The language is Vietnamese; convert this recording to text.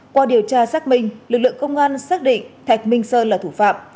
qua điều tra xác minh lực lượng công an xác định thạch minh sơn là thủ phạm